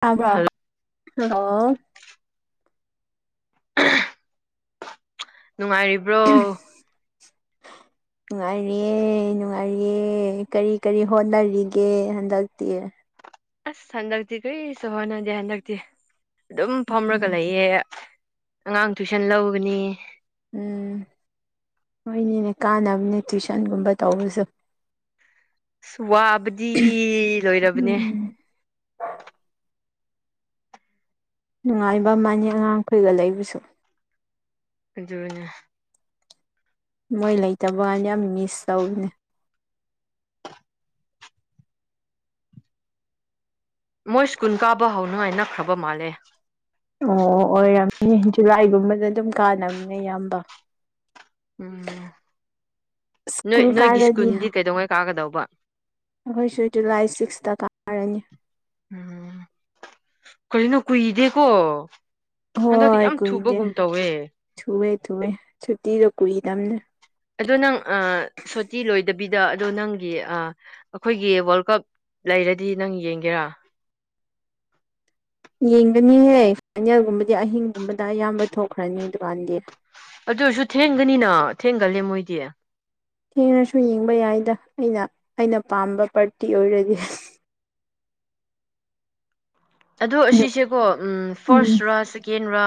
ꯇꯥꯕ꯭ꯔꯣ ꯍꯜꯂꯣ ꯅꯨꯡꯉꯥꯏꯔꯤꯕ꯭ꯔꯣ [inaudible] ꯅꯨꯡꯉꯥꯏꯔꯤꯌꯦ ꯅꯨꯡꯉꯥꯏꯔꯤꯌꯦ ꯀꯔꯤ ꯀꯔꯤ ꯍꯣꯠꯅꯔꯤꯒꯦ ꯍꯟꯗꯛꯇꯤ ꯑꯁ ꯍꯟꯗꯛꯇꯤ ꯀꯔꯤꯁꯨ ꯍꯣꯠꯅꯗꯦ ꯍꯟꯗꯛꯇꯤ ꯑꯗꯨꯝ ꯐꯝꯔꯒ ꯎꯝ ꯂꯩꯌꯦ ꯑꯉꯥꯡ ꯇꯨꯏꯁꯟ ꯂꯧꯒꯅꯤ ꯎꯝ ꯍꯣꯏꯅꯤꯅꯦ ꯀꯥꯅꯕꯅꯦ ꯇꯨꯏꯁꯟꯒꯨꯝꯕ ꯇꯧꯕꯁꯨ ꯑꯁ ꯋꯥꯕꯗꯤ ꯂꯣꯏꯔꯕꯅꯦ ꯎꯝ ꯅꯨꯡꯉꯥꯏꯕ ꯑꯃꯅꯤ ꯑꯉꯥꯡꯈꯣꯏꯒ ꯂꯩꯕꯁꯨ ꯑꯗꯨꯅꯦ ꯃꯣꯏ ꯂꯩꯇꯕ ꯀꯥꯟꯗ ꯌꯥꯝ ꯃꯤꯁ ꯇꯧꯕꯅꯦ ꯃꯣꯏ ꯁ꯭ꯀꯨꯟ ꯀꯥꯕ ꯍꯧꯅꯤꯡꯉꯥꯏ ꯅꯛꯈ꯭ꯔꯕ ꯃꯥꯜꯂꯦ ꯑꯣ ꯑꯣꯏꯔꯝꯅꯤ ꯖꯨꯂꯥꯏꯒꯨꯝꯕꯗ ꯑꯗꯨꯝ ꯀꯥꯟꯅꯕꯅꯤꯅꯦ ꯑꯌꯥꯝꯕ ꯎꯝ ꯅꯣꯏ ꯁ꯭ꯀꯨꯜ ꯅꯣꯏꯒꯤ ꯀꯥꯔꯗꯤ ꯁ꯭ꯀꯨꯜꯗꯤ ꯀꯩꯗꯧꯉꯩ ꯀꯥꯒꯗꯧꯕ ꯑꯩꯈꯣꯏꯁꯨ ꯖꯨꯂꯥꯏ ꯁꯤꯛꯁꯇ ꯀꯥ ꯀꯔꯅꯤ ꯎꯝ ꯀꯔꯤꯅꯣ ꯀꯨꯏꯗꯦꯀꯣ ꯍꯟꯗꯛꯇꯤ ꯍꯣꯏ ꯌꯥꯝ ꯀꯨꯏꯗꯦ ꯊꯨꯕꯒꯨꯝ ꯇꯧꯋꯦ ꯊꯨꯋꯦ ꯊꯨꯋꯦ ꯁꯨꯇꯤꯗꯣ ꯀꯨꯏꯗꯕꯅꯦ ꯑꯗꯣ ꯅꯪ ꯑ ꯁꯣꯇꯤ ꯂꯣꯏꯗꯕꯤꯗ ꯑꯗꯣ ꯅꯪꯒꯤ ꯑꯩꯈꯣꯏꯒꯤ ꯋꯥꯔꯜ ꯀꯞ ꯂꯩꯔꯗꯤ ꯅꯪ ꯌꯦꯡꯒꯦꯔꯥ ꯌꯦꯡꯒꯅꯤꯍꯦ ꯐꯥꯏꯅꯦꯜꯒꯨꯝꯕꯗꯤ ꯑꯍꯤꯡꯒꯨꯝꯕꯗ ꯑꯌꯥꯝꯕ ꯊꯣꯛꯈ꯭ꯔꯅꯤ ꯑꯗꯨꯀꯥꯟꯗꯤ ꯑꯗꯨꯑꯣꯏꯔꯁꯨ ꯊꯦꯡꯒꯅꯤꯅ ꯊꯦꯡꯒꯜꯂꯦ ꯃꯣꯏꯗꯤ ꯊꯦꯡꯉꯁꯨ ꯌꯦꯡꯕ ꯌꯥꯏꯗ ꯑꯩꯅ ꯑꯩꯅ ꯄꯥꯝꯕ ꯄꯥꯔꯇꯤ ꯑꯣꯏꯔꯗꯤ ꯑꯗꯣ ꯑꯁꯤꯁꯦꯀꯣ ꯎꯝ ꯐꯥ꯭ꯔꯁ ꯔꯥ ꯁꯦꯀꯦꯟ ꯑ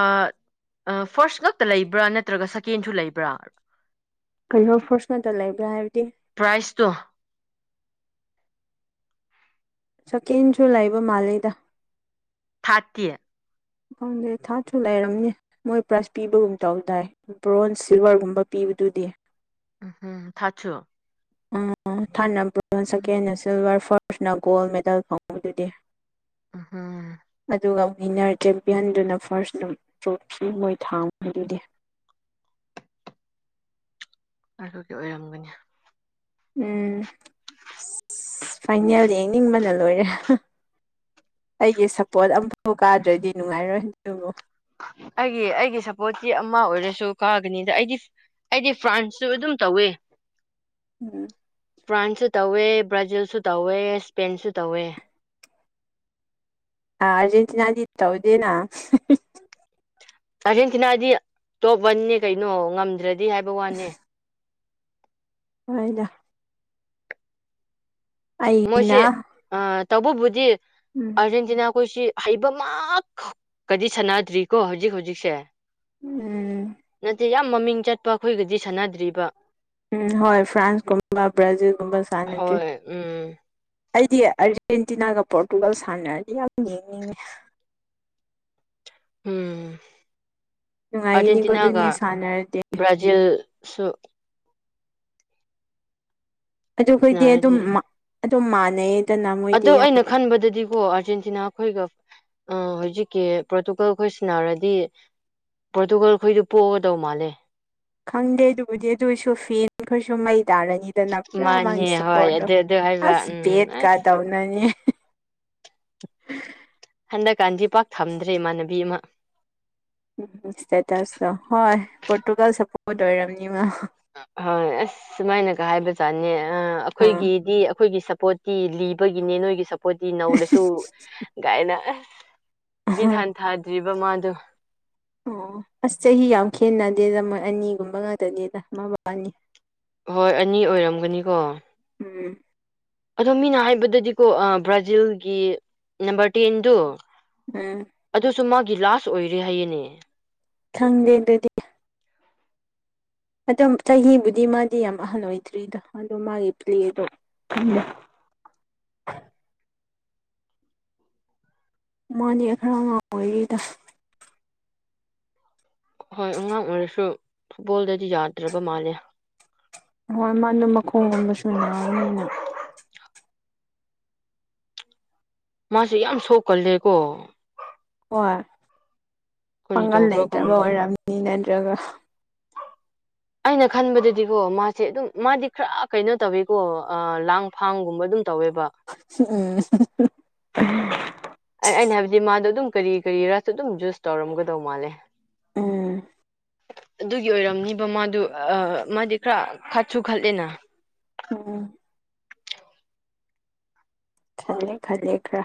ꯑ ꯐꯥ꯭ꯔꯁ ꯉꯛꯇ ꯂꯩꯕ꯭ꯔꯥ ꯅꯠꯇ꯭ꯔꯒ ꯁꯦꯀꯦꯟꯁꯨ ꯂꯩꯕ꯭ꯔꯥ ꯀꯔꯤꯅꯣ ꯐꯣꯔꯁ ꯉꯥꯛꯇ ꯂꯩꯕ꯭ꯔꯥ ꯍꯥꯏꯕꯗꯤ ꯄ꯭ꯔꯥꯏꯖꯇꯣ ꯁꯀꯦꯟꯁꯨ ꯂꯩꯕ ꯃꯥꯜꯂꯤꯗ ꯊꯥ꯭ꯔꯠꯇꯤ ꯈꯪꯗꯦ ꯊꯥꯠꯁꯨ ꯂꯩꯔꯝꯅꯤ ꯃꯣꯏ ꯄ꯭ꯔꯥꯏꯖ ꯄꯤꯕꯒꯨꯝ ꯇꯧꯗꯥꯥꯏ ꯕ꯭ꯔꯣꯟꯖ ꯁꯤꯜꯚꯔꯒꯨꯝꯕ ꯄꯤ ꯕꯨꯗꯨꯗꯤ ꯎ ꯊꯥꯥ꯭ꯔꯠꯁꯨ ꯑꯪ ꯊꯥ꯭ꯔꯠꯅ ꯕ꯭ꯔꯣꯟꯖ ꯁꯦꯀꯦꯟꯅ ꯁꯤꯜꯚꯔ ꯐꯥ꯭ꯔꯁꯅ ꯒꯣꯜ ꯃꯦꯗꯜ ꯐꯪꯕꯗꯨꯗꯤ ꯑꯝꯍꯝ ꯑꯗꯨꯒ ꯋꯤꯟꯅꯔ ꯆꯦꯝꯄꯤꯌꯟꯗꯨꯅ ꯐꯥꯔꯁ ꯑꯗꯨꯝ ꯇ꯭ꯔꯣꯐꯤ ꯃꯣꯏ ꯊꯥꯡꯕꯗꯨꯗꯤ ꯑꯗꯨꯗꯤ ꯑꯣꯏꯔꯝꯒꯅꯤ ꯎꯝ ꯑꯁ ꯐꯥꯏꯅꯦꯜ ꯌꯦꯡꯅꯤꯡꯕꯅ ꯂꯣꯏꯔꯦ ꯑꯩꯒꯤ ꯁꯞꯄꯣꯔꯠ ꯑꯃꯐꯥꯎ ꯀꯥꯗ꯭ꯔꯗꯤ ꯅꯨꯡꯉꯥꯏꯔꯣꯏ ꯑꯗꯨꯕꯨ ꯑꯩꯒꯤ ꯑꯩꯒꯤ ꯁꯞꯄꯣꯔꯠꯇꯤ ꯑꯃ ꯑꯣꯏꯔꯁꯨ ꯀꯥꯒꯅꯤꯗ ꯑꯩꯗꯤ ꯑꯩꯗꯤ ꯐ꯭ꯔꯥꯟꯁꯁꯨ ꯑꯗꯨꯝ ꯇꯧꯑꯦ ꯎꯝ ꯐ꯭ꯔꯥꯟꯁꯁꯨ ꯇꯧꯋꯦ ꯕ꯭ꯔꯥꯖꯤꯜꯁꯨ ꯇꯧꯋꯦ ꯏꯁꯄꯦꯟꯁꯨ ꯇꯧꯋꯦ ꯑ ꯑꯔꯖꯦꯟꯇꯤꯅꯥꯗꯤ ꯇꯧꯗꯦꯅꯥ ꯑꯍꯝ ꯍ ꯑꯥꯔꯖꯦꯟꯇꯤꯅꯥꯗꯤ ꯇꯣꯞ ꯋꯥꯟꯅꯦ ꯀꯩꯅꯣ ꯉꯝꯗ꯭ꯔꯗꯤ ꯍꯥꯏꯕ ꯋꯥꯅꯦ ꯍꯣꯏꯗ ꯃꯣꯏꯁꯦ ꯑꯩꯅ ꯑꯥ ꯇꯧꯕꯕꯨꯗꯤ ꯎꯝ ꯑꯥꯔꯖꯦꯟꯇꯤꯅꯥꯈꯣꯏꯁꯤ ꯍꯩꯕꯃꯥꯛ ꯈꯛꯀꯗꯤ ꯁꯥꯟꯅꯗ꯭ꯔꯤꯀꯣ ꯍꯧꯖꯤꯛ ꯍꯧꯖꯤꯛꯁꯦ ꯎꯝ ꯅꯠꯇꯦ ꯌꯥꯝ ꯃꯃꯤꯡ ꯆꯠꯄ ꯈꯣꯏꯒꯗꯤ ꯁꯥꯟꯅꯗ꯭ꯔꯤꯕ ꯎꯝ ꯍꯣꯏ ꯐ꯭ꯔꯥꯟꯁꯀꯨꯝꯕ ꯕ꯭ꯔꯥꯖꯤꯜꯒꯨꯝꯕ ꯁꯥꯟꯅꯗ꯭ꯔꯤ ꯍꯣꯏ ꯎꯝ ꯑꯩꯗꯤ ꯑꯥꯔꯖꯦꯟꯇꯤꯅꯥꯒ ꯄꯣꯔꯇꯨꯒꯜ ꯁꯥꯟꯅꯔꯗꯤ ꯌꯥꯝ ꯌꯦꯡꯅꯤꯡꯉꯤ ꯎꯝ ꯅꯨꯡꯉꯥꯏꯒꯅꯤꯀꯣ ꯑꯔꯖꯦꯟꯇꯤꯅꯥꯒ ꯑꯗꯨꯅꯤ ꯁꯥꯟꯅꯔꯗꯤ ꯕ꯭ꯔꯥꯖꯤꯜ ꯁꯨ ꯑꯗꯨꯈꯣꯏꯗꯤ ꯑꯗꯨꯝ ꯁꯅꯔꯗꯤ ꯃ ꯑꯗꯨꯝ ꯃꯥꯟꯅꯩ ꯑꯗꯣ ꯑꯩꯅ ꯈꯟꯕꯗꯗꯤꯀꯣ ꯑꯥꯔꯖꯦꯟꯇꯤꯅꯥ ꯈꯣꯏꯒ ꯑꯥ ꯍꯧꯖꯤꯛꯀꯤ ꯄꯣꯔꯇꯨꯒꯜ ꯈꯣꯏ ꯁꯟꯅꯔꯗꯤ ꯄ꯭ꯔꯣꯇꯨꯒꯜ ꯈꯣꯏꯗꯨ ꯄꯣꯒꯗꯧ ꯃꯥꯜꯂꯦ ꯈꯪꯗꯦ ꯑꯗꯨꯕꯨꯗꯤ ꯑꯗꯨ ꯑꯣꯏꯁꯨ ꯐꯦꯟ ꯈꯣꯢꯁꯨ ꯃꯩ ꯇꯥꯔꯅꯤꯗꯅ ꯄꯨꯔꯥ ꯃꯥꯒꯤ ꯃꯥꯅꯦ ꯍꯣꯏ ꯁꯞꯄ꯭ꯣꯔꯠꯇꯣ ꯑꯗꯨ ꯑꯗꯨ ꯍꯥꯏꯕ ꯑꯁ ꯎꯝ ꯕꯦꯠꯀ ꯑꯁ ꯇꯧꯅꯅꯦ [unintelligible] ꯅ ꯀꯥꯟꯗꯤ ꯄꯥꯛ ꯊꯝꯗ꯭ꯔꯦ ꯏꯃꯥꯟꯅꯕꯤ ꯃꯥ ꯎꯝ ꯁ꯭ꯇꯦꯇꯁꯇꯣ ꯍꯣꯏ ꯄꯣ꯭ꯔꯇꯨꯒꯜ ꯁꯞꯄꯣ꯭ꯔꯠ ꯑꯣꯏꯔꯝꯅꯤ ꯃꯥ ꯍꯣꯏ ꯑꯁ ꯁꯨꯃꯥꯏꯅꯒ ꯍꯥꯏꯕꯖꯥꯠꯅꯦ ꯑꯥ ꯑꯥ ꯑꯩꯈꯣꯏꯒꯤꯗꯤ ꯑꯩꯈꯣꯏꯒꯤ ꯁꯞ ꯁꯞꯄꯣꯠꯇꯤ ꯂꯤꯕꯒꯤꯅꯦ ꯅꯣꯏꯒꯤ ꯁꯞꯄꯣ꯭ꯔꯠꯇꯤ ꯅꯧꯔꯁꯨ ꯒꯥꯏꯅ ꯕꯤꯠ ꯍꯥꯟꯊꯗ꯭ꯔꯤꯕ ꯃꯥꯗꯨ ꯑꯣ ꯑꯁ ꯆꯍꯤ ꯌꯥꯝ ꯈꯦꯠꯅꯗꯦꯗ ꯃꯣꯏ ꯑꯅꯤꯒꯨꯝꯕ ꯉꯛꯇꯅꯦꯗ ꯃꯕꯥꯅꯤ ꯍꯣꯏ ꯑꯅꯤ ꯑꯣꯏꯔꯝꯒꯅꯤꯀꯣ ꯎꯝ ꯑꯗꯣ ꯃꯤꯅ ꯍꯥꯏꯕꯗꯗꯤꯀꯣ ꯑꯥ ꯕ꯭ꯔꯥꯖꯤꯜꯒꯤ ꯅꯝꯕꯔ ꯇꯦꯟꯗꯨ ꯎꯝ ꯁꯨ ꯃꯥꯒꯤ ꯂꯥꯁ ꯑꯣꯏꯔꯦ ꯍꯥꯏꯌꯦꯅꯦ ꯈꯪꯗꯦ ꯗꯨꯗꯤ ꯑꯗꯨꯝ ꯆꯍꯤꯕꯨꯗꯤ ꯃꯥꯗꯤ ꯌꯥꯝ ꯑꯍꯟ ꯑꯣꯏꯗ꯭ꯔꯤꯗ ꯑꯗꯣ ꯃꯥꯒꯤ ꯄ꯭ꯂꯦꯗꯣ [unintelligible] ꯃꯥꯟꯅꯦ ꯈꯔ ꯑꯉꯥꯡ ꯑꯣꯏꯔꯤꯗ ꯍꯣꯏ ꯑꯉꯥꯡ ꯑꯣꯏꯔꯁꯨ ꯐꯨꯠꯕꯣꯜꯗꯗꯤ ꯌꯥꯗ꯭ꯔꯕ ꯃꯥꯜꯂꯦ ꯍꯣꯏ ꯃꯥꯟꯅꯣ ꯃꯈꯣꯡꯒꯨꯝꯕꯁꯨ ꯅꯥꯕꯅꯤꯅ ꯃꯥꯁꯦ ꯌꯥꯝ ꯁꯣꯛꯀꯜꯂꯦꯀꯣ ꯍꯣꯏ ꯀꯔꯤ ꯄꯥꯡꯒꯜ ꯇꯧꯕ꯭ꯔꯣ ꯂꯩꯇ꯭ꯔꯕ ꯈꯪꯗꯦ ꯑꯣꯏꯔꯝꯅꯤ ꯅꯠꯇ꯭ꯔꯒ ꯍ [inaudible] ꯑꯩꯅ ꯈꯟꯕꯗꯗꯤꯀꯣ ꯃꯥꯁꯦ ꯑꯗꯨꯝ ꯃꯥꯗꯤ ꯈꯔ ꯀꯩꯅꯣ ꯇꯧꯋꯦꯀꯣ ꯑꯥ ꯂꯥꯡ ꯐꯥꯡꯒꯨꯝꯕ ꯗꯨꯝ ꯎꯝ [unintelligible] ꯑꯩ ꯑꯩꯅ ꯍꯥꯏꯕꯗꯤ ꯃꯥꯗꯣ ꯑꯗꯨꯝ ꯀꯔꯤ ꯀꯔꯤꯔꯁꯨ ꯑꯗꯨꯝ ꯖꯨꯁ ꯇꯧꯔꯝꯒꯗꯧ ꯃꯥꯜꯂꯦ ꯎꯝ ꯑꯗꯨꯒꯤ ꯑꯣꯏꯔꯝꯅꯤ ꯗꯣ ꯃꯥꯗꯨ ꯑꯥ ꯃꯥꯗꯤ ꯈꯔ ꯈꯠꯁꯨ ꯈꯠꯂꯦꯅ ꯎꯝ ꯈꯜꯂꯦ ꯈꯜꯂꯦ ꯈ꯭ꯔ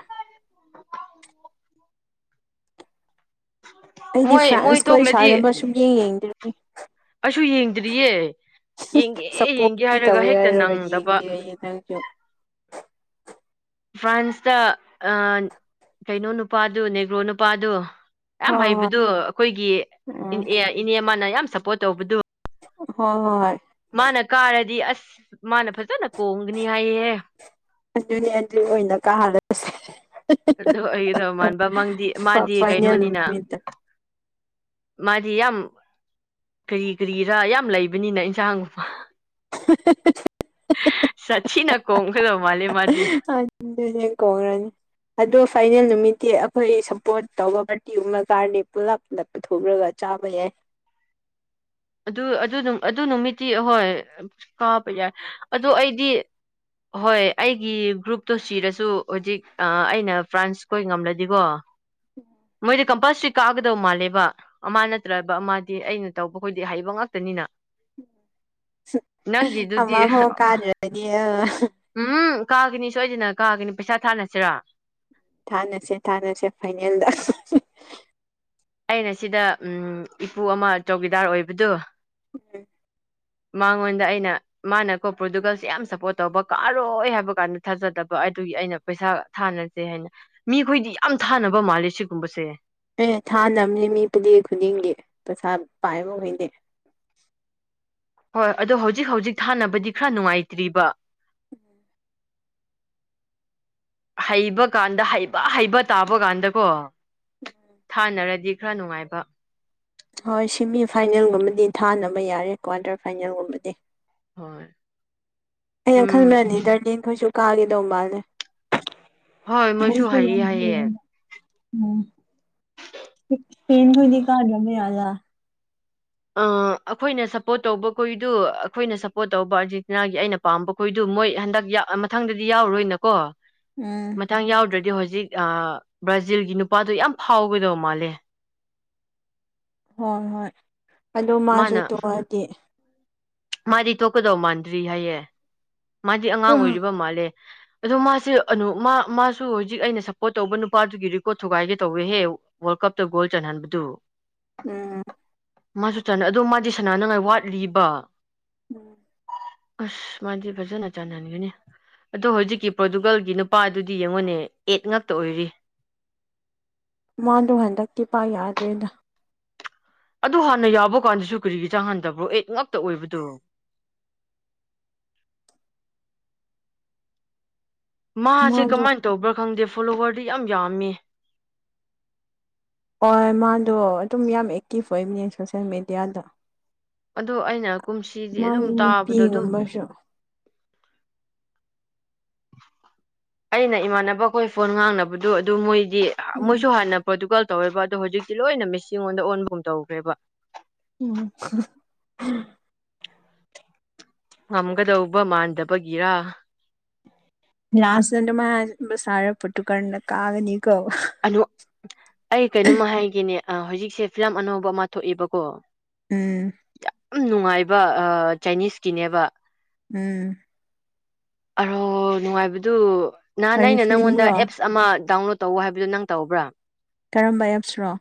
ꯑꯩꯗꯤ ꯃꯣꯏ ꯃꯣꯏ ꯐ꯭ꯔꯥꯟꯁ ꯈꯣꯢ ꯊꯣꯛꯂꯗꯤ ꯁꯥꯟꯅꯕ ꯁꯨꯝ ꯌꯦꯡ ꯌꯦꯡꯗ꯭ꯔꯤꯝꯅꯤ ꯇꯨ ꯌꯦꯡꯗ꯭ꯔꯤꯌꯦ ꯌꯦꯡꯒꯦ ꯌꯦꯡꯒꯦ ꯁꯞꯄꯣꯔꯠꯇꯤ ꯍꯥꯏꯔꯒ ꯇꯧꯋꯦ ꯍꯦꯛꯇ ꯍꯥꯏꯔꯒ ꯅꯪꯗꯕ ꯌꯦꯡꯗꯦ ꯑꯩ ꯅꯪꯁꯨ ꯐ꯭ꯔꯥꯟꯁꯇ ꯑꯥ ꯀꯩꯅꯣ ꯅꯨꯄꯥꯗꯨ ꯅꯦꯒ꯭ꯔꯣ ꯅꯨꯄꯥꯗꯨ ꯌꯥꯝ ꯍꯣꯏ ꯍꯣꯏ ꯍꯩꯕꯗꯨ ꯑꯥꯈꯣꯏꯒꯤ ꯏꯟ ꯎꯝ ꯑꯦ ꯢꯅꯦ ꯑꯃꯅ ꯌꯥꯝ ꯁꯞꯄꯣ꯭ꯔꯠ ꯇꯧꯕꯗꯨ ꯍꯣ ꯍꯣꯏ ꯍꯣꯏ ꯃꯥꯅ ꯀꯥꯔꯗꯤ ꯑꯁ ꯃꯥꯅ ꯐꯖꯅ ꯀꯣꯡꯒꯅꯤ ꯍꯥꯏꯌꯦꯍꯦ ꯑꯗꯨꯅꯦ ꯑꯗꯨ ꯑꯣꯏꯅ ꯀꯥꯍꯜꯂꯁꯦ ꯑꯣ ꯑꯩꯗꯧ ꯃꯥꯟꯕ ꯃꯪꯗꯤ ꯃꯥꯗꯤ ꯐꯥꯏꯅꯦꯜ ꯀꯩꯅꯣꯅꯤꯅ ꯅꯨꯃꯤꯠꯇ ꯃꯥꯗꯤ ꯌꯥꯝ ꯀ꯭ꯔꯤ ꯀ꯭ꯔꯤꯔꯥ ꯌꯥꯝ ꯂꯩꯕꯅꯤꯅ ꯏꯟꯁꯥꯡ [unintelligible] ꯁꯥꯊꯤꯅ ꯀꯣꯡꯒꯗꯕ ꯃꯥꯜꯂꯦ ꯃꯥꯗꯤ ꯗꯨꯅꯦ ꯀꯣꯡꯔꯅꯤ ꯑꯗꯣ ꯐꯥꯏꯅꯦꯜ ꯅꯨꯃꯤꯠꯇꯤ ꯑꯩꯈꯣꯏ ꯁꯞꯄꯣ꯭ꯔꯠ ꯇꯧꯕ ꯚꯔꯇꯤꯒꯨꯝꯕ ꯀꯥꯔꯅꯤ ꯄꯨꯂꯞꯗ ꯄꯨꯊꯣꯛꯔꯒ ꯆꯥꯕ ꯌꯥꯏ ꯑꯗꯨ ꯑꯗꯨ ꯑꯗꯨ ꯅꯨꯃꯤꯠꯇꯤ ꯑꯍꯣꯏ ꯀꯥꯕ ꯌꯥꯏ ꯑꯗꯣ ꯑꯩꯗꯤ ꯍꯣꯏ ꯑꯩꯒꯤ ꯒ꯭ꯔꯨꯞꯇꯣ ꯁꯤꯔꯁꯨ ꯍꯨꯖꯤꯛ ꯑꯩꯅ ꯐ꯭ꯔꯥꯟꯁꯈꯣꯏ ꯉꯝꯂꯗꯤꯀꯣ ꯃꯣꯏꯗꯤ ꯀꯝꯄꯜꯁ꯭ꯔꯤ ꯀꯒꯗꯧ ꯃꯥꯜꯂꯦꯕ ꯑꯃ ꯅꯠꯇ꯭ꯔꯒ ꯑꯃꯗꯤ ꯑꯩꯅ ꯇꯧꯕ ꯃꯣꯏꯗꯤ ꯑꯍꯩꯕ ꯉꯥꯛꯇꯅꯤꯅ ꯅꯪꯒꯤꯗꯨꯗꯤ ꯑꯃꯐꯥꯎ ꯀꯥꯗ꯭ꯔꯗꯤ ꯎꯝ ꯀꯥꯒꯅꯤ ꯁꯣꯏꯗꯅ ꯀꯥꯒꯅꯤ ꯄꯩꯁꯥ ꯊꯥꯅꯁꯤꯔꯥ ꯊꯅꯁꯦ ꯊꯥꯅꯁꯦ ꯐꯥꯏꯅꯦꯜꯗ ꯑꯩꯅ ꯁꯤꯗ ꯏꯄꯨ ꯑꯃ ꯆꯧꯀꯤꯗꯥꯔ ꯑꯣꯏꯕꯗꯣ [unintelligible] ꯃꯉꯣꯟꯗ ꯑꯩꯅ ꯃꯥꯅꯀꯣ ꯄ꯭ꯔꯣꯗꯨꯒꯜꯁꯦ ꯌꯥꯝ ꯁꯞꯄꯣꯔꯠ ꯇꯧꯕ ꯀꯥꯔꯣꯏ ꯍꯥꯏꯕ ꯀꯥꯟꯗ ꯊꯥꯖꯗꯕ ꯑꯗꯨꯒꯤ ꯑꯩꯅ ꯄꯩꯁꯥ ꯊꯥꯅꯁꯦ ꯍꯥꯏꯅ ꯃꯤꯈꯣꯏꯗꯤ ꯌꯥꯝ ꯊꯥꯅꯕ ꯃꯥꯜꯂꯦ ꯁꯤꯒꯨꯝꯕꯁꯦ ꯑꯦ ꯊꯥꯅꯕꯅꯤ ꯃꯤ ꯄꯨꯗꯤ ꯈꯨꯗꯤꯡꯒꯤ ꯄꯩꯁꯥ ꯄꯥꯏꯕꯈꯣꯏꯅꯦ [inaudible] ꯍꯣꯏ ꯑꯗꯣ ꯍꯧꯖꯤꯛ ꯍꯧꯖꯤꯛ ꯊꯥꯅꯕꯗꯤ ꯈꯔ ꯅꯨꯡꯉꯥꯏꯇ꯭ꯔꯤꯕ [inaudible] ꯍꯩꯕ ꯀꯥꯟꯗ ꯍꯩꯕ ꯍꯩꯕ ꯇꯥꯕ ꯀꯥꯟꯗꯀꯣ ꯊꯥꯅꯔꯗꯤ ꯈꯔ ꯅꯨꯡꯉꯥꯏꯕ ꯍꯣꯏ ꯁꯦꯃꯤ ꯐꯥꯏꯅꯦꯜꯒꯨꯝꯕꯗꯤ ꯊꯥꯅꯕ ꯌꯥꯔꯦ ꯀ꯭ꯋꯥꯔꯇꯔ ꯐꯥꯏꯅꯦꯜꯒꯨꯝꯕꯗꯤ ꯍꯣꯏ ꯑꯩꯅ ꯎꯝ ꯈꯜꯕ꯭ꯔ ꯂꯤꯗꯔꯗꯤ ꯊꯣꯏꯁꯨ ꯀꯥꯒꯦ ꯇꯧꯕ ꯑꯗꯨꯢ ꯍꯣꯏ ꯃꯣꯏꯁꯨ ꯃꯣꯢꯁꯨ ꯌꯥꯝ ꯍꯩꯌꯦ ꯍꯥꯏꯌꯦ ꯍꯩꯌꯦꯅꯦ ꯎꯝ ꯏꯁꯄꯦꯟ ꯈꯣꯢꯗꯤ ꯀꯥꯗ꯭ꯔꯗꯤ ꯌꯔꯥ ꯑꯥ ꯑꯩꯈꯣꯏꯅ ꯁꯞꯄꯣꯔꯠ ꯇꯧꯕ ꯈꯨꯏꯗꯨ ꯑꯩꯈꯣꯏꯅ ꯁꯞꯄꯣꯔꯠ ꯇꯧꯕ ꯑꯥꯔꯦꯖꯟꯇꯤꯅꯥꯒꯤ ꯑꯩꯅ ꯄꯥꯝꯕ ꯈꯨꯏꯗꯨ ꯃꯣꯏ ꯍꯟꯗꯛ ꯌꯥ ꯃꯊꯪꯗꯗꯤ ꯌꯥꯎꯔꯔꯣꯏꯅꯀꯣ ꯎꯝ ꯃꯊꯪ ꯌꯥꯎꯗ꯭ꯔꯗꯤ ꯍꯧꯖꯤ ꯍꯧꯖꯤꯛ ꯑ ꯕ꯭ꯔꯥꯖꯤꯜꯒꯤ ꯅꯨꯄꯥꯗꯣ ꯌꯥꯝ ꯐꯥꯎꯒꯗꯧꯕ ꯃꯥꯜꯂꯦ ꯍꯣ ꯍꯣꯏ ꯑꯗꯨ ꯃꯥꯁꯨ ꯃꯥꯅ ꯇꯣꯛꯑꯗꯤ ꯃꯥꯗꯤ ꯇꯣꯛꯀꯗꯧ ꯃꯥꯟꯗ꯭ꯔꯤ ꯍꯥꯏꯌꯦ ꯃꯥꯗꯤ ꯑꯉꯥꯡ ꯑꯣꯏꯔꯤꯕ ꯃꯥꯜꯂꯦ ꯑꯗꯣ ꯃꯥꯁꯦ ꯑꯅꯣ ꯃꯥꯁꯨ ꯍꯧꯖꯤꯛ ꯑꯩꯅ ꯁꯞꯄꯣꯔꯠ ꯇꯧꯕ ꯅꯨꯄꯥꯗꯨꯒꯤ ꯔꯦꯀꯣꯔꯠ ꯊꯨꯒꯥꯏꯒꯦ ꯇꯧꯋꯦꯍꯦ ꯋꯥ ꯀꯞꯇ ꯒꯣꯜ ꯆꯟꯍꯟꯕꯗꯨ ꯎꯝ ꯃꯥꯁꯨ ꯆꯟ ꯑꯗꯣ ꯃꯥꯗꯤ ꯁꯥꯟꯅꯅꯉꯥꯏ ꯋꯥꯠꯂꯤꯕ ꯎꯝ ꯑꯁ ꯃꯥꯗꯤ ꯐꯖꯅ ꯆꯟꯍꯟꯒꯅꯤ ꯑꯗꯣ ꯍꯧꯖꯤꯛꯀꯤ ꯄ꯭ꯔꯣꯇꯨꯒꯜꯒꯤ ꯅꯨꯄꯥ ꯗꯨꯗꯤ ꯌꯦꯡꯉꯣꯅꯦ ꯑꯦꯠ ꯉꯥꯛꯇ ꯑꯣꯏꯔꯤ ꯃꯥꯗꯣ ꯍꯟꯗꯛꯇꯤ ꯄꯥ ꯌꯥꯗ꯭ꯔꯦꯗ ꯑꯗꯨ ꯍꯥꯟꯅ ꯌꯥꯎꯕ ꯀꯥꯟꯗꯁꯨ ꯀꯔꯤꯒꯤ ꯆꯥꯡꯍꯟꯗꯕ꯭ꯔꯣ ꯑꯩꯠ ꯉꯛꯇ ꯑꯣꯏꯕꯗꯣ [inaudible] ꯃꯥꯁꯦ ꯃꯥꯗꯣ ꯀꯃꯥꯏꯅ ꯇꯧꯕ꯭ꯔꯥ ꯈꯪꯗꯦ ꯐꯣꯂꯣꯋꯔꯗꯤ ꯌꯥꯝ ꯌꯥꯝꯃꯦ ꯍꯣꯏ ꯃꯥꯗꯣ ꯑꯗꯨꯝ ꯌꯥꯝ ꯑꯦꯛꯇꯤꯚ ꯑꯣꯏꯕꯅꯦ ꯁꯣꯁꯦꯜ ꯃꯦꯗꯤꯌꯥꯗ ꯑꯗꯣ ꯑꯩꯅ ꯀꯨꯝꯁꯤꯗꯤ ꯃꯥꯒꯤ ꯑꯗꯨꯝ ꯇꯥꯕꯗꯣ ꯑꯗꯨꯝ ꯅꯨꯄꯤꯒꯨꯝꯕꯁꯨ [inaudible] ꯑꯩꯅ ꯏꯃꯥꯟꯅꯕꯈꯣꯏ ꯐꯣꯟ ꯉꯥꯡꯅꯕꯗꯣ ꯑꯗꯨ ꯃꯣꯏ ꯗꯤ ꯎꯝ ꯃꯣꯏꯁꯨ ꯍꯥꯟꯅ ꯄꯣꯔꯇꯨꯒꯜ ꯇꯧꯋꯦꯕ ꯑꯗꯣ ꯍꯧꯖꯤꯛꯇꯤ ꯂꯣꯏꯅ ꯃꯦꯁꯤ ꯉꯣꯟꯗ ꯑꯣꯟꯕꯒꯨꯝ ꯇꯧꯈ꯭ꯔꯦꯕ ꯎꯝ ꯉꯝꯒꯗꯧꯕ ꯃꯥꯟꯗꯕꯒꯤꯔꯥ ꯂꯥꯁ ꯇꯗꯨ ꯃꯥꯟꯕ ꯁꯥꯔ ꯄꯣꯔꯇꯨꯒꯜꯅ ꯀꯥꯒꯅꯤꯀꯣ ꯑꯗꯣ ꯑꯩ ꯀꯩꯅꯣꯝꯃ ꯍꯥꯏꯒꯦꯅꯦ ꯑꯥ ꯍꯧꯖꯤꯛꯁꯦ ꯐꯤꯂꯝ ꯑꯅꯧꯕ ꯑꯃ ꯊꯣꯛꯑꯦꯕꯀꯣ ꯎꯝ ꯑꯝ ꯅꯨꯡꯉꯥꯏꯕ ꯑ ꯆꯥꯏꯅꯤꯁꯀꯤꯅꯦꯕ ꯎꯝ ꯑꯔꯣ ꯅꯨꯡꯉꯥꯏꯕꯗꯨ ꯅꯍꯥꯟ ꯀꯔꯤ ꯑꯩꯅ ꯅꯪꯉꯣꯟꯗ ꯐꯤꯂꯤꯝꯔꯣ ꯑꯦꯞꯁ ꯑꯃ ꯗꯥꯎꯟꯂꯣꯗ ꯇꯧꯑꯣ ꯍꯥꯏꯕꯗꯣ ꯅꯪ ꯇꯧꯕ꯭ꯔꯥ ꯀꯔꯝꯕ ꯑꯦꯞꯁ ꯔꯣ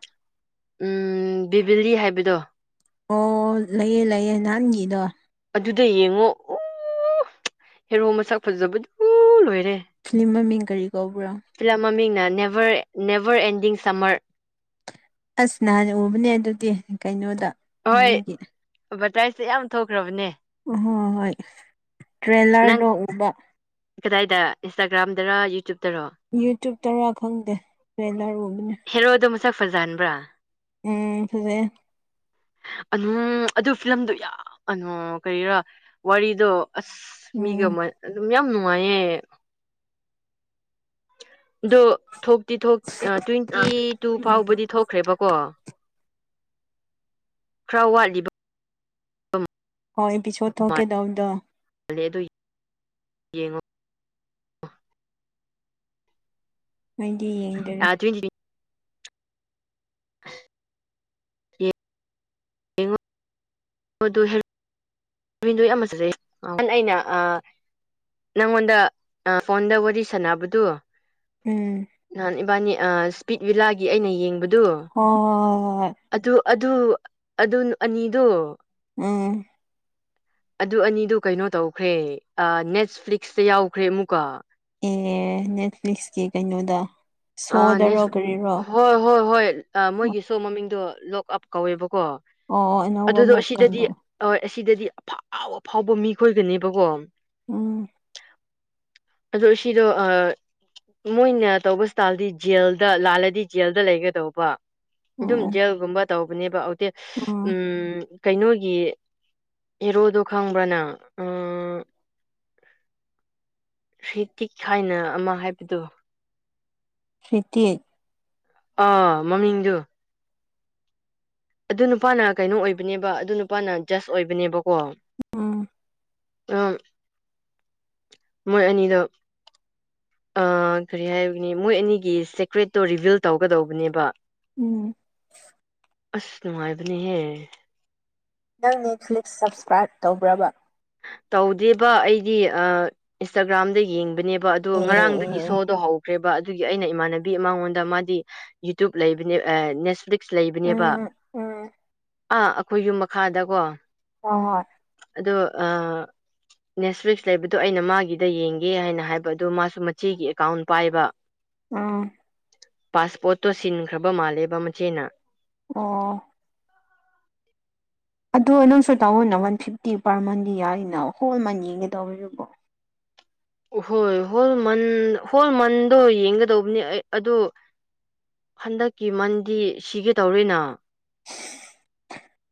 ꯎꯝ ꯕꯤꯕꯤꯂꯤ ꯍꯥꯏꯕꯗꯣ ꯑꯣ ꯂꯩꯌꯦ ꯂꯩꯌꯦ ꯅꯍꯥꯟꯒꯤꯗꯣ ꯗꯨꯗ ꯌꯦꯡꯉꯣ ꯑꯨꯡ ꯍꯦꯔꯣ ꯃꯁꯛ ꯐꯖꯕꯗꯨ ꯑꯨ ꯂꯣꯏꯔꯦ ꯐꯤꯂꯝ ꯃꯃꯤꯡ ꯀꯔꯤ ꯀꯧꯕ꯭ꯔꯣ ꯐꯤꯂꯝ ꯃꯃꯤꯡ ꯅꯥ ꯅꯦꯕꯔ ꯅꯦꯕꯔ ꯑꯦꯟꯗꯤꯡ ꯁꯃ꯭ꯔ ꯑꯁ ꯅꯍꯥꯟ ꯎꯕꯅꯦ ꯑꯗꯨꯗꯤ ꯀꯩꯅꯣꯗ ꯍꯣꯏ ꯃꯣꯏꯒꯤ ꯕ꯭ꯔꯇꯥ꯭ꯏꯁꯇ ꯌꯥꯝ ꯊꯣꯛꯈ꯭ꯔꯕꯅꯦ ꯑꯣ ꯍꯣ ꯍꯣꯏ ꯇ꯭ꯔꯦꯂꯔꯗꯣ ꯎꯕ ꯏ꯭ꯟꯁꯇꯥꯒ꯭ꯔꯥꯝꯗꯔꯥ ꯌꯨꯇ꯭ꯌꯨꯞ ꯌꯨꯇ꯭ꯨꯞ ꯇꯔꯥ ꯈꯪꯗꯦ ꯇ꯭ꯔꯦꯂꯔ ꯎꯕꯅꯦ ꯁꯛ ꯐꯖꯍꯟꯕ꯭ꯔꯥ ꯎꯝ ꯐꯖꯩꯌꯦ ꯑꯗꯨꯝ ꯑꯗꯨ ꯐꯤꯂꯝꯗꯣ ꯌꯥꯝ ꯀꯅꯣ ꯀꯔꯤꯔꯥ ꯋꯥꯔꯤꯗꯣ ꯑꯁ ꯃꯤꯒ ꯎꯝ ꯃꯥ ꯑꯗꯨꯝ ꯌꯥꯝ ꯅꯨꯡꯉꯥꯏꯌꯦ ꯑꯗꯣ ꯊꯣꯛꯇꯤ ꯊꯣꯛ ꯑꯥ ꯇ꯭ꯋꯦꯟꯇꯤ ꯇꯨ ꯎꯝ ꯐꯥꯎꯕꯗꯤ ꯊꯣꯛꯈ꯭ꯔꯦꯕꯀꯣ ꯈ꯭ꯔ ꯋꯥꯠꯂꯤꯕ ꯍꯣꯏ ꯏꯄꯤꯁꯣ꯭ꯗ ꯊꯣꯛꯀꯦ ꯇꯧꯕꯗꯣ ꯂꯦ ꯑꯗꯨꯏ ꯌꯦꯡꯉꯣ ꯑꯩꯗꯤ ꯌꯦꯡꯗꯔꯤ ꯇ꯭ꯋꯦꯟꯇꯤ [unintelligible] ꯌꯦꯡꯉꯣ ꯑꯗꯨ ꯍꯦꯟ [unintelligible] ꯉꯍꯥꯟ ꯑꯩꯅ ꯑꯥ ꯅꯪꯉꯣꯟꯗ ꯑꯥ ꯐꯣꯟꯗ ꯋꯥꯔꯤ ꯁꯥꯟꯅꯕꯗꯨ ꯎꯝ ꯍꯣꯏ ꯍꯣꯏ ꯅꯍꯥꯟ ꯏꯕꯥꯅꯤ ꯑꯥ ꯁ꯭ꯄꯤꯠ ꯚꯤꯂꯥꯒꯤ ꯑꯩꯅ ꯌꯦꯡ ꯍꯣ ꯍꯣ ꯍꯣ ꯍꯣꯏ ꯑꯗꯨ ꯑꯗꯨ ꯑꯅꯤꯗꯨ ꯎꯝ ꯑꯗꯨ ꯑꯅꯤꯗꯨ ꯀꯩꯅꯣ ꯇꯧꯈ꯭ꯔꯦ ꯅꯦꯠꯐ꯭ꯂꯤꯛꯁꯇ ꯌꯥꯎꯈ꯭ꯔꯦ ꯑꯃꯨꯛꯀ ꯑꯦ ꯅꯦꯠꯐ꯭ꯂꯤꯛꯁꯀꯤ ꯀꯩꯅꯣꯗ ꯑꯥ ꯅꯦꯠ ꯁꯣꯗꯔꯣ ꯀꯔꯤꯔꯣ ꯍꯣ ꯍꯣ ꯍꯣꯏ ꯑꯥ ꯃꯣꯏꯒꯤ ꯃꯃꯤꯡꯗꯨ ꯂꯣꯛ ꯑꯞ ꯀꯧꯋꯦꯕ ꯀꯣ ꯑꯣ ꯑꯅꯧꯕ ꯑꯗꯨꯗꯣ ꯑꯃꯨꯛ ꯑꯁꯤꯗꯗꯤ ꯀꯩꯅꯣ ꯑꯣꯏ ꯑꯁꯤꯗꯗꯤ ꯑꯐꯥꯎ ꯑꯐꯥꯎꯕ ꯃꯤ ꯈꯣꯏꯒꯅꯦꯕꯀꯣ ꯎꯝ ꯑꯗꯣ ꯁꯤꯗꯣ ꯑꯥ ꯃꯣꯏꯅ ꯇꯧꯕ ꯇꯥꯜꯗꯤ ꯖꯦꯜꯗ ꯂꯥꯜꯂꯗꯤ ꯖꯦꯜꯗ ꯂꯩꯒꯗꯧꯕ ꯑꯣ ꯑꯗꯨꯝ ꯑꯣ ꯖꯦꯜꯒꯨꯝꯕ ꯇꯧꯕꯅꯦꯕ ꯗꯦꯠ ꯎꯝ ꯀꯩꯅꯣꯒꯤ ꯑꯦꯔꯣꯗꯣ ꯈꯪꯕ꯭ꯔꯥ ꯅꯪ ꯑꯥ ꯍ꯭ꯔꯤꯇꯤꯛ ꯍꯥꯏꯅ ꯑꯃ ꯍꯥꯏꯕꯗꯣ ꯍ꯭ꯔꯤꯇꯤꯛ ꯑꯥ ꯃꯃꯤꯡꯗꯨ ꯑꯗꯨ ꯅꯨꯄꯥꯅ ꯀꯩꯅꯣ ꯑꯣꯏꯕꯅꯦꯕ ꯑꯗꯨ ꯅꯨꯄꯥꯅ ꯖ꯭ꯠꯁ ꯑꯣꯏꯕꯅꯦꯕꯀꯣ ꯎꯝ ꯑꯝ ꯃꯣꯏ ꯑꯅꯤꯗꯣ ꯑꯥ ꯀꯔꯤ ꯍꯥꯏꯕꯅꯤ ꯃꯣꯏ ꯑꯅꯤꯒꯤ ꯁꯦꯀ꯭ꯔꯦꯠꯇꯣ ꯔꯤꯚꯤꯜ ꯇꯧꯒꯗꯧꯕꯅꯦꯕ ꯎꯝ ꯑꯁ ꯅꯨꯡꯉꯥꯏꯕꯅꯤꯍꯦ ꯅꯪ ꯅꯦꯠꯐ꯭ꯂꯤꯛꯁ ꯁꯞꯁꯀ꯭ꯔꯥꯏꯞ ꯇꯧꯕ꯭ꯔꯥ ꯕꯥ ꯇꯧꯗꯦꯕ ꯑꯩꯗꯤ ꯑꯥ ꯏꯟꯁꯇꯥꯒ꯭ꯔꯥꯝꯗ ꯌꯦꯡꯕꯅꯦ ꯕ ꯑꯗꯨ ꯑꯦ ꯉꯔꯥꯡꯗꯒꯤ ꯑꯦ ꯁꯣꯗꯣ ꯍꯧꯈ꯭ꯔꯦꯕꯥ ꯑꯗꯨꯒꯤ ꯑꯩꯅ ꯏꯃꯥꯟꯅꯕꯤ ꯃꯉꯣꯟꯗ ꯃꯥꯗꯤ ꯌꯨꯇ꯭ꯌꯨꯞ ꯂꯩꯕꯅꯦ ꯑꯥ [unintelligible] ꯂꯩꯕꯅꯦꯕ ꯎꯝ ꯎꯝ ꯑꯥ ꯑꯥꯈꯣꯏ ꯌꯨꯝ ꯃꯈꯥꯗꯀꯣ ꯍꯣꯏ ꯍꯣꯏ ꯑꯗꯣ ꯑꯥ ꯅꯦꯠꯐ꯭ꯂꯤꯛꯁ ꯂꯩꯕꯗꯣ ꯑꯩꯅ ꯃꯥꯒꯤꯗ ꯌꯦꯡꯒꯦ ꯍꯥꯏꯅ ꯍꯥꯏꯕ ꯑꯗꯨ ꯃꯥꯁꯨ ꯃꯆꯦꯒꯤ ꯑꯦꯀꯥꯎꯟ ꯄꯥꯏꯕ ꯑꯥ ꯄꯥꯁꯋꯥꯠꯇꯣ ꯁꯤꯟꯈ꯭ꯔꯕ ꯃꯥꯜꯂꯦꯕ ꯃꯆꯦꯅ ꯑꯣ ꯑꯗꯣ ꯅꯪꯁꯨ ꯇꯥꯑꯣꯅ ꯋꯥꯟ ꯐꯤꯐꯇꯤ ꯄꯥꯔ ꯃꯟꯗꯤ ꯌꯥꯔꯤꯅ ꯍꯣꯜ ꯃꯟ ꯌꯦꯡꯒꯗꯧꯕꯗꯨꯕꯨ ꯍꯣꯏ ꯍꯣꯜ ꯃꯟ ꯍꯣꯜ ꯃꯟꯗꯣ ꯌꯦꯡꯒꯗꯧꯕꯅꯤ ꯑꯩ ꯑꯗꯣ ꯍꯟꯗꯛꯀꯤ ꯃꯟꯗꯤ ꯁꯤꯒꯦ ꯇꯧꯔꯦꯅ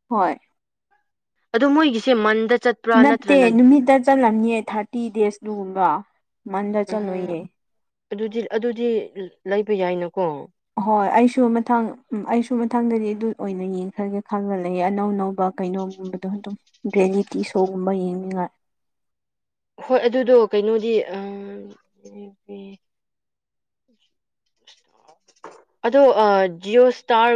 ꯍꯣꯏ ꯑꯗꯣ ꯃꯣꯏꯒꯤꯁꯦ ꯃꯟꯗ ꯆꯠꯄ꯭ꯔꯥ ꯅꯠꯇꯦ ꯅꯠꯇ꯭ꯔꯅ ꯅꯨꯃꯤꯠꯇ ꯆꯠꯂꯝꯅꯤꯌꯦ ꯊꯥꯔꯇꯤ ꯗꯦꯖ ꯇꯨꯒꯨꯝꯕ ꯃꯟꯗ ꯎꯝ ꯆꯠꯂꯣꯏꯌꯦ ꯑꯗꯨꯗꯤ ꯑꯗꯨꯗꯤ ꯂꯩꯕ ꯌꯥꯏꯅ ꯍꯣꯏ ꯑꯩꯁꯨ ꯃꯊꯪ ꯑꯩꯁꯨ ꯃꯊꯪꯗꯗꯤ ꯑꯗꯨ ꯑꯣꯏꯅ ꯌꯦꯡꯈ꯭ꯔꯒꯦ ꯈꯪꯒꯠꯂꯛꯑꯦ ꯑꯅꯧ ꯑꯅꯧꯕ ꯀꯩꯅꯣꯒꯨꯝꯕꯗꯣ ꯑꯗꯨ ꯑꯗꯨꯝ ꯚꯦꯅꯤ ꯇꯤ ꯁꯣ ꯒꯨꯝꯕ ꯌꯦꯡꯅꯤꯉꯥꯏ [inaudible] ꯍꯣꯏ ꯑꯗꯨꯗꯣ ꯀꯩꯅꯣꯗꯤ ꯑꯝ ꯑꯗꯣ ꯑ ꯖꯤꯑꯣ ꯁ꯭ꯇꯔ